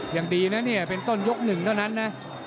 ยังดีนะเนี่ยเป็นต้นยกหนึ่งเท่านั้นนะ